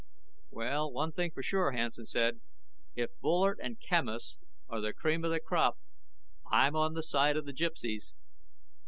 "Well, one thing for sure," Hansen said, "if Bullard and Quemos are the cream of the crop, I'm on the side of the Gypsies."